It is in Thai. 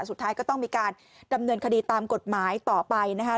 สุดท้ายก็ต้องมีการดำเนินคดีตามกฎหมายต่อไปนะคะ